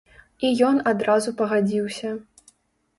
І ён адразу пагадзіўся.